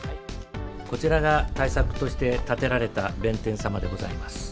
こちらが対策として建てられた弁天様でございます。